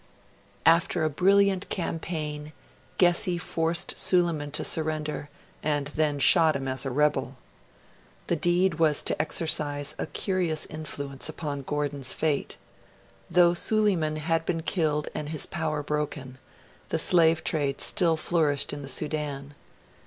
After a brilliant campaign, Gessi forced Suleiman to surrender, and then shot him as a rebel. The deed was to exercise a curious influence upon Gordon's fate. Though Suleiman had been killed and his power broken, the slave trade still flourished in the Sudan.